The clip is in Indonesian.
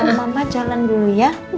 mama jalan dulu ya